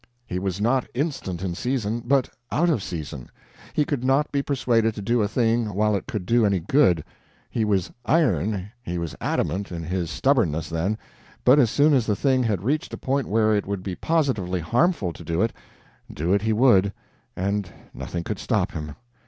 He was not instant in season, but out of season. He could not be persuaded to do a thing while it could do any good he was iron, he was adamant in his stubbornness then but as soon as the thing had reached a point where it would be positively harmful to do it, do it he would, and nothing could stop him.